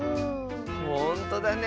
ほんとだね。